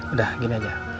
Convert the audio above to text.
udah gini aja